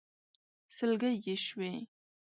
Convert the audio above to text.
سلګۍ يې شوې.